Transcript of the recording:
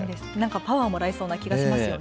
パワーをもらえそうな気がしますね。